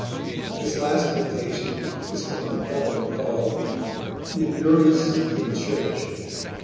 This last quotation is from the poem called Mimnermus in Church.